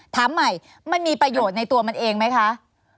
ถามใหม่มันมีประโยชน์ในตัวมันเองไหมคะ